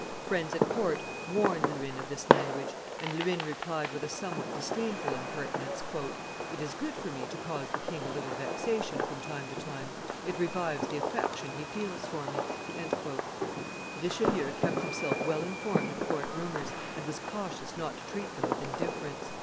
Friends at court warned Luynes of this language; and Luynes replied with a somewhat disdainful impertinence, "It is good for me to cause the king a little vexation from time to time: it revives the affection he feels for me." Richelieu kept himself well informed of court rumors, and was cautious not to treat them with indifference.